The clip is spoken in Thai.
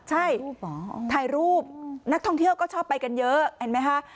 ใช่ถ่ายรูปนักท่องเที่ยวก็ชอบไปกันเยอะเห็นไหมคะ